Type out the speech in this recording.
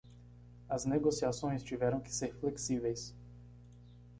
As negociações tiveram que ser flexíveis.